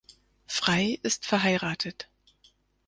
Frei ist verheiratet.